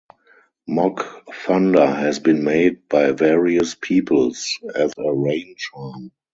Mock thunder has been made by various peoples as a rain-charm.